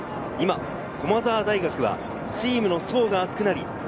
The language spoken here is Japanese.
駒澤大学は今、チームの層が厚くなる。